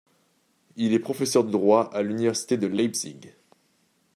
Il est professeur de droit à l'université de Leipzig.